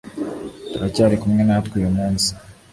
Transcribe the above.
turacyari kumwe natwe uyu munsi